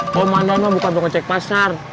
komandan mah bukan mau ngecek pasar